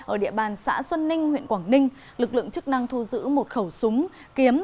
ở địa bàn xã xuân ninh huyện quảng ninh lực lượng chức năng thu giữ một khẩu súng kiếm